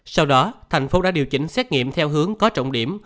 sau đó thành phố đã điều chỉnh xét nghiệm theo hướng có trọng điểm